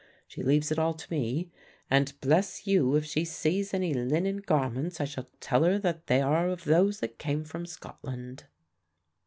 She leaves it all to me, and bless you if she sees any linen garments I shall tell her that they are of those that came from Scotland."